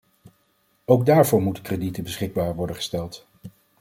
Ook daarvoor moeten kredieten beschikbaar worden gesteld.